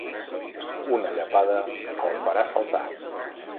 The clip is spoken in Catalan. Una llepada el farà saltar.